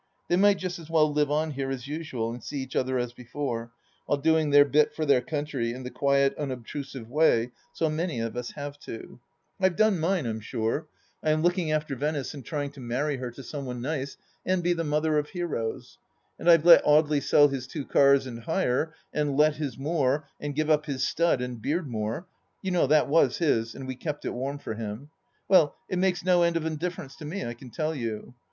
They might just as well live on here as usual and see each other as before, while doing their bit for their country in the quiet, unob trusive way so many of us have to. I've done mine, I'm THE LAST DITCH 165 sure. I am looking after Venice and trying to marry her to some one nice, and be the mother of heroes. And I've let Audely sell his two cars and hire, and let his moor, and give up his stud, and Beardmore — ^you know that was his, and we kept it warm for him ! Well, it makes no end of a difference to me, I can tell you